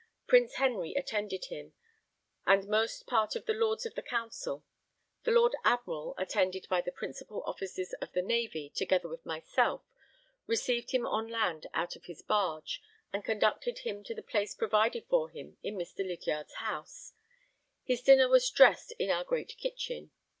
Prince Henry attended him, and most part of the Lords of the Council. The Lord Admiral, attended by the Principal Officers of the Navy together with myself, received him on land out of his barge and conducted him to the place provided for him in Mr. Lydiard's house; his dinner was dressed in our great kitchen.